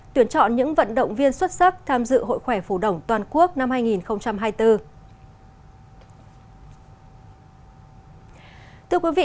tuyển chọn những vận động viên xuất sắc tham dự hội khỏe phổ đồng toàn quốc năm hai nghìn hai mươi bốn